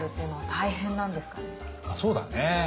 あそうだね。